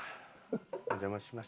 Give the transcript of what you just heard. お邪魔します。